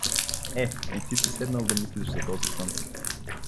— Е, и ти си седнал да мислиш за този сън.